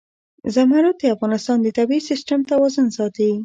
زمرد د افغانستان د طبعي سیسټم توازن ساتي.